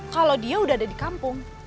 kalau dia udah ada di kampung